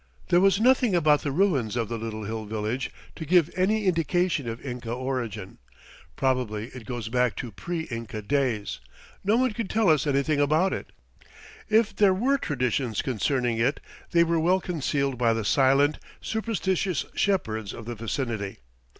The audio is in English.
There was nothing about the ruins of the little hill village to give any indication of Inca origin. Probably it goes back to pre Inca days. No one could tell us anything about it. If there were traditions concerning it they were well concealed by the silent, superstitious shepherds of the vicinity.